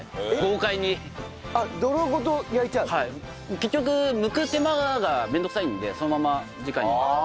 結局むく手間が面倒くさいんでそのままじかに。